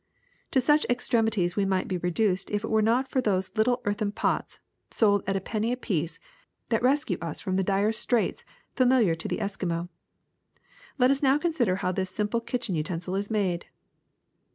^'To such extremities we might be reduced if it were not for those little earthen pots, sold at a penny apiece, that rescue us from the dire straits familiar to the Eskimo. , Let us now consider how this simple kitchen utensil is made.